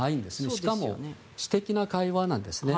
しかも、私的な会話なんですね。